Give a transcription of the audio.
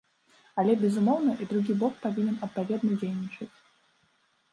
Але, безумоўна, і другі бок павінен адпаведна дзейнічаць.